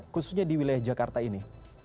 khususnya di wilayah jakarta ini